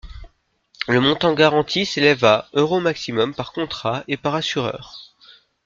Le montant garanti s'élève à euros maximum par contrat et par assureur.